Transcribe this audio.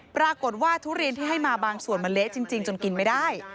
ทุเรียนที่ให้มาบางส่วนมันเละจริงจนกินไม่ได้